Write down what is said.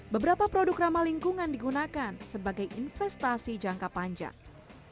beberapa produk ramah lingkungan digunakan sebagai investasi jangka panjang